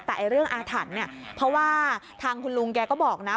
แต่เรื่องอาถรรพ์เนี่ยเพราะว่าทางคุณลุงแกก็บอกนะ